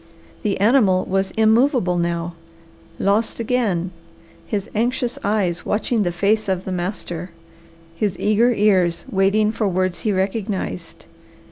The animal was immovable now, lost again, his anxious eyes watching the face of the master, his eager ears waiting for words he recognized.